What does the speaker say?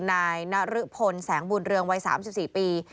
นายนรึพลแสงบุญเรืองวัย๓๔ปี